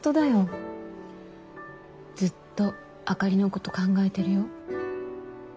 ずっとあかりのこと考えてるよ。